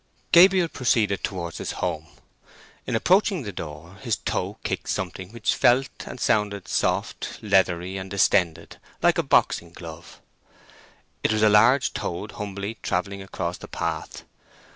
Gabriel proceeded towards his home. In approaching the door, his toe kicked something which felt and sounded soft, leathery, and distended, like a boxing glove. It was a large toad humbly travelling across the path.